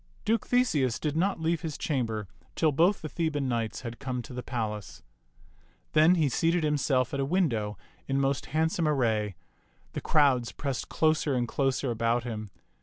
Duke Theseus did not leave his chamber till both the Theban knights had come to the palace. Then he seated himself at a window in most handsome ar ray. The crowds pressed closer and closer about him.